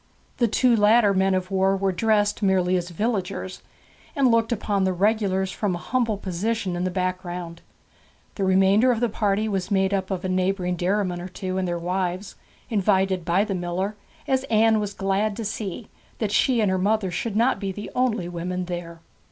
The two latter men of war were dressed merely as villagers, and looked upon the regulars from a humble position in the background. The remainder of the party was made up of a neighbouring dairyman or two, and their wives, invited by the miller, as Anne was glad to see, that she and her mother should not be the only women there.